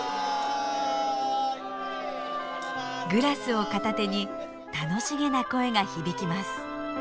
グラスを片手に楽しげな声が響きます。